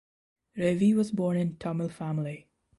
Ravi was born in Tamil Family.